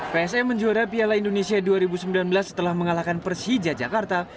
psm menjuara piala indonesia dua ribu sembilan belas setelah mengalahkan persija jakarta